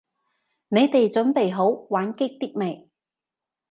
你哋準備好玩激啲未？